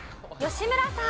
吉村さん。